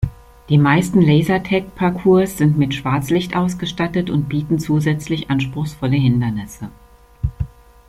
Die meisten Lasertag-Parcours sind mit Schwarzlicht ausgestattet und bieten zusätzlich anspruchsvolle Hindernisse.